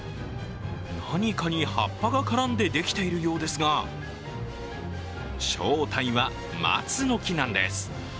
何かに葉っぱが絡んでできているようですが正体は松の木なんです。